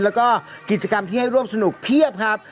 แล้วก็กิจกรรมที่ให้ร่วมสนุกเพียบครับ